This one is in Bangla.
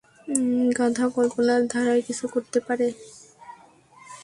গাধা, কল্পনার ধারায় কিছু করতে পারে।